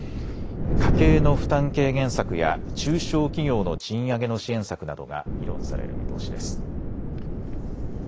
家計の負担軽減策や中小企業の賃上げの支援策などが議論される見通しです。